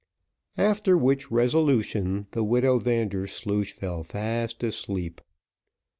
After which resolution the widow Vandersloosh fell fast asleep.